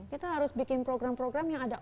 kita harus bikin program program yang ada